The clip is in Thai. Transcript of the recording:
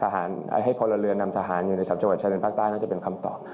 ให้พลเรือนนำทหารอยู่ใน๓จังหวัดชายแดนภาคใต้น่าจะเป็นคำตอบ